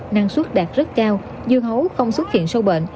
năng suất đạt rất cao dưa hấu không xuất hiện sâu bệnh